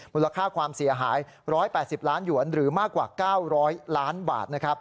มูลค่าความเสียหาย๑๘๐ล้านหยวนหรือมากกว่า๙๐๐ล้านบาท